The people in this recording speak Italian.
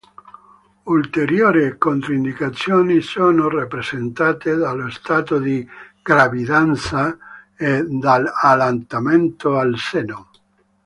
Ulteriori controindicazioni sono rappresentate dallo stato di gravidanza e dall'allattamento al seno.